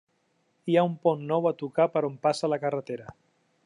Hi ha un pont nou a tocar per on passa la carretera.